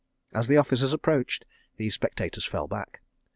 ... As the officers approached, these spectators fell back.